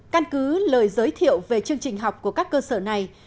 căn cứ lời giới thiệu về chương trình học của các cơ sở này